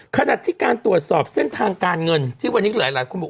ขณะที่การตรวจสอบเส้นทางการเงินที่วันนี้หลายคนบอก